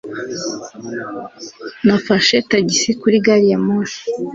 Nafashe tagisi kuri gari ya moshi.